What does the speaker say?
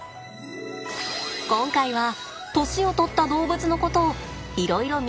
今回は年をとった動物のことをいろいろ見ていくのだ。